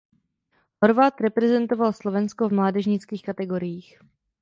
Horváth reprezentoval Slovensko v mládežnických kategoriích.